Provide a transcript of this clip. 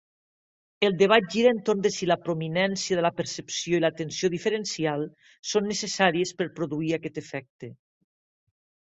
El debat gira entorn de si la prominència de la percepció i l'atenció diferencial són necessàries per produir aquest efecte.